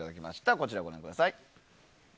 こちら、ご覧ください。